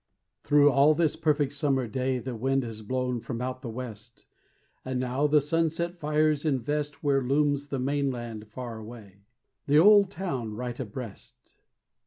Thro' all this perfect summer day The wind has blown from out the west, And now the sunset fires invest Where looms the mainland far away, The old town right abreast.